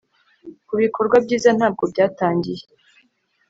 kubikorwa byiza ntabwo byatangiye